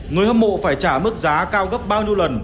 người hâm mộ phải trả mức giá cao gấp bao nhiêu lần